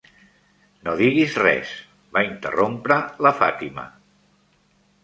"No diguis res", va interrompre la Fatima.